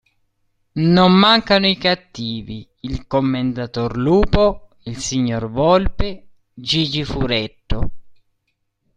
Non mancano i "cattivi": il Commendator Lupo, il Signor Volpe, Gigi Furetto.